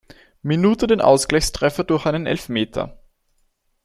Minute den Ausgleichstreffer durch einen Elfmeter.